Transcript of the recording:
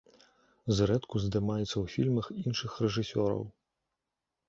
Зрэдку здымаецца ў фільмах іншых рэжысёраў.